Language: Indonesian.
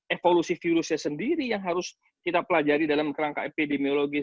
evolusi virusnya sendiri yang harus kita pelajari dalam kerangka epidemiologis